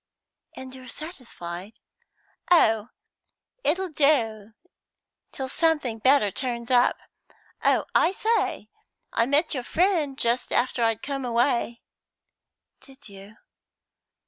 "And you're satisfied?" "Oh, it'll do till something better turns up. Oh, I say, I met your friend just after I'd come away." "Did you?"